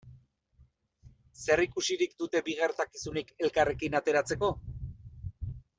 Zer ikusirik dute bi gertakizunek elkarrekin ateratzeko?